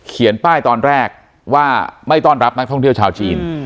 ป้ายตอนแรกว่าไม่ต้อนรับนักท่องเที่ยวชาวจีน